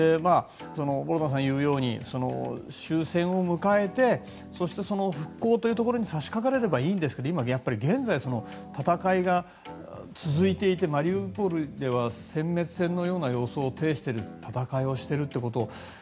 ボグダンさんが言うように終戦を迎えてそして復興というところに差し掛かれればいいんですけど今やっぱり現在、戦いが続いていてマリウポリでは殲滅戦のような様相を呈しているという戦いをしている。